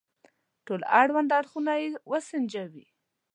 ټول اړوند اړخونه يې وسنجوي.